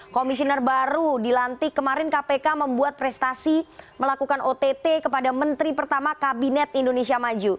komisioner baru dilantik kemarin kpk membuat prestasi melakukan ott kepada menteri pertama kabinet indonesia maju